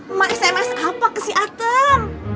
emak sms apa ke si atem